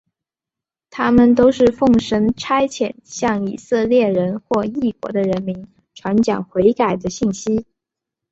他们都是奉神差遣向以色列人或异国的人民传讲悔改的信息。